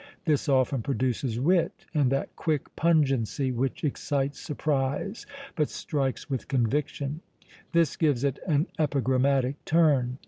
This often produces wit, and that quick pungency which excites surprise, but strikes with conviction; this gives it an epigrammatic turn.